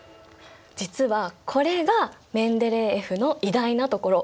実はこれがメンデレーエフの偉大なところ！